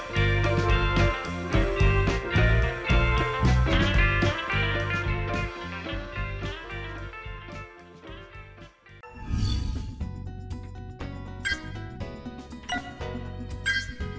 hẹn gặp lại